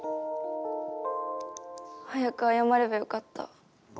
早く謝ればよかった。